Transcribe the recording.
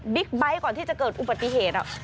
ไบท์ก่อนที่จะเกิดอุบัติเหตุ